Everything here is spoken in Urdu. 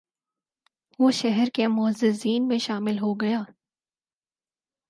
وہ شہر کے معززین میں شامل ہو گیا